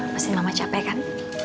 masih mama capek kan